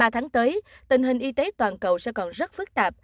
ba tháng tới tình hình y tế toàn cầu sẽ còn rất phức tạp